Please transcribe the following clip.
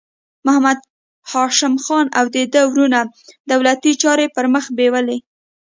محمد هاشم خان او د ده وروڼو دولتي چارې پر مخ بیولې.